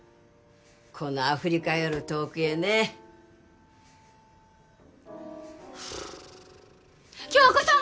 このアフリカより遠くへね響子さん！